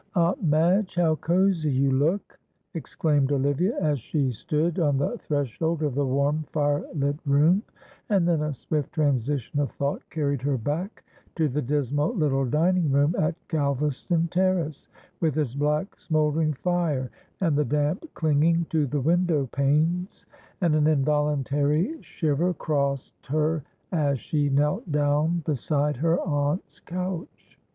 "Aunt Madge, how cosy you look!" exclaimed Olivia, as she stood on the threshold of the warm firelit room; and then a swift transition of thought carried her back to the dismal little dining room at Galvaston Terrace, with its black smouldering fire, and the damp clinging to the window panes, and an involuntary shiver crossed her as she knelt down beside her aunt's couch.